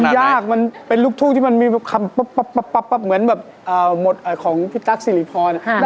ยากมันเป็นลูกทุกข์ที่มันมีคำปั๊ปเหมือนแบบของพี่ตั๊กซีรีพรน่ะ